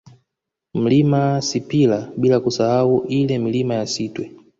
Mlima Sipila bila kusahau ile Milima ya Sitwe